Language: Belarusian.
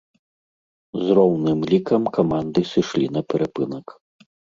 З роўным лікам каманды сышлі на перапынак.